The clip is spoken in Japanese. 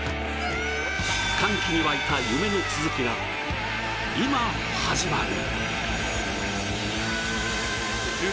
歓喜に沸いた夢の続きが今始まる。